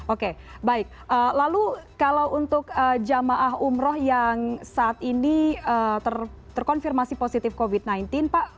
oke baik lalu kalau untuk jamaah umroh yang saat ini terkonfirmasi positif covid sembilan belas pak